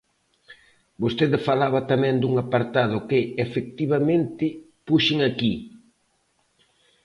Vostede falaba tamén dun apartado que, efectivamente, puxen aquí.